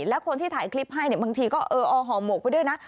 แล้วคนที่ถ่ายคลิปให้บางทีก็เออเอาห่อหมวกไปด้วยนะ